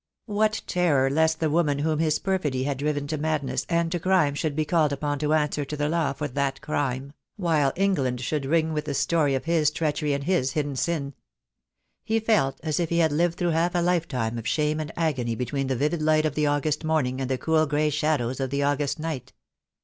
What terror lest the woman whom his perfidy had driven to madness and 2 68 THE DAY WILL COME. to crime should be called upon to answer to the law for that crime — while England should ring with the story of his treachery and his hidden sin! He felt as if he had lived through half a life time of shame and agony be tween the vivid light of the August morning and the cool grey shadows of the August night.